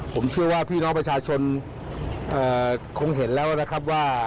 ผมเชื่อว่าพี่น้องประชาชนคงเห็นแล้วนะครับว่า